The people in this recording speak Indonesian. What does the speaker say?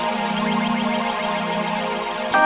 lalu kenapa dia